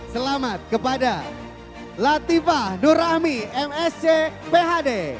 selamat kepada latifah nurami msc phd